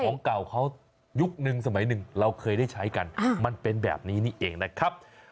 ของเก่าเขายุคนึงสมัยหนึ่งเราเคยได้ใช้กันมันเป็นแบบนี้นี่เองนะครับ